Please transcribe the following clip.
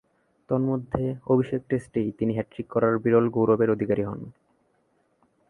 তন্মধ্যে, অভিষেক টেস্টেই তিনি হ্যাট্রিক করার বিরল গৌরবের অধিকারী হন।